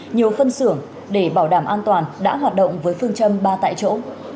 nhiều phân xưởng để bảo đảm an toàn đã hoạt động với phương châm ba tại chỗ